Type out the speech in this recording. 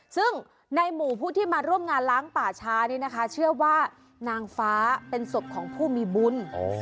ซึ่งในหมู่ผู้ที่มาร่วมงานล้างป่าช้านี่นะคะเชื่อว่านางฟ้าเป็นศพของผู้มีบุญ